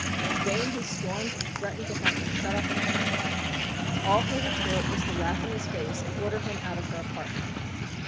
In vain he stormed and threatened to have her shut up in a convent. All her retort was to laugh in his face and order him out of her apartment.